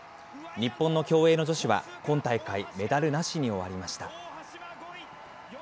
日本の競泳の女子は今大会、メダルなしに終わりました。